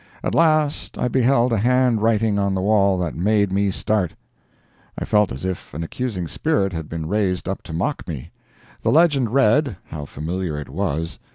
At last I beheld a hand writing on the wall that made me start! I felt as if an accusing spirit had been raised up to mock me. The legend read (how familiar it was!)